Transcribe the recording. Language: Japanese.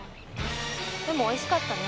でもおいしかったね。